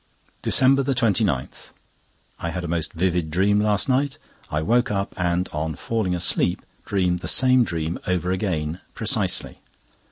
DECEMBER 29.—I had a most vivid dream last night. I woke up, and on falling asleep, dreamed the same dream over again precisely.